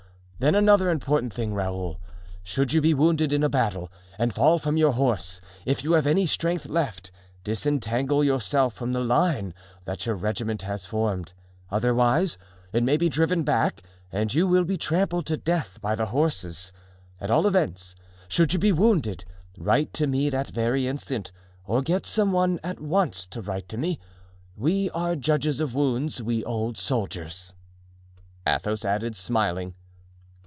Then another important thing, Raoul: should you be wounded in a battle, and fall from your horse, if you have any strength left, disentangle yourself from the line that your regiment has formed; otherwise, it may be driven back and you will be trampled to death by the horses. At all events, should you be wounded, write to me that very instant, or get some one at once to write to me. We are judges of wounds, we old soldiers," Athos added, smiling.